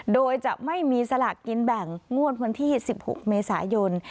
โดยจะไม่มีสลากกินแบ่งงวดวันที่๑๖เมษายน